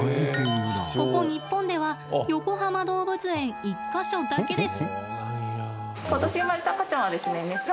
ここ日本ではよこはま動物園１か所だけです。